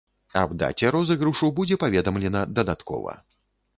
Аб даце розыгрышу будзе паведамлена дадаткова.